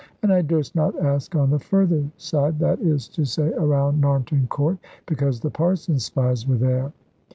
And I durst not ask on the further side, that is to say around Narnton Court, because the Parson's spies were there.